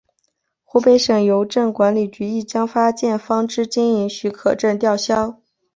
湖北省邮政管理局亦将发件方之经营许可证吊销。